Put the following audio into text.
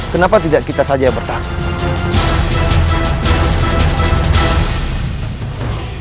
kenapa tidak kita saja yang bertarung